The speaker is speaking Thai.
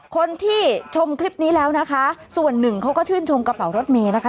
คนที่ชมคลิปนี้แล้วนะคะส่วนหนึ่งเขาก็ชื่นชมกระเป๋ารถเมย์นะคะ